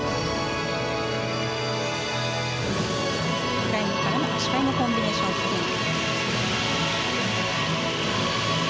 フライングからの足換えのコンビネーションスピン。